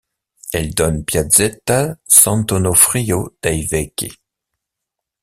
Elle donne piazzetta Sant'Onofrio dei Vecchi.